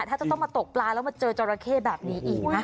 ถ้าจะต้องมาตกปลาแล้วมาเจอจราเข้แบบนี้อีกนะ